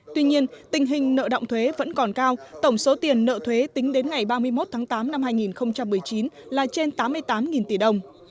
tuy nhiên tình hình nợ động thuế vẫn còn cao tổng số tiền nợ thuế tính đến ngày ba mươi một tháng tám năm hai nghìn một mươi chín là trên tám mươi tám tỷ đồng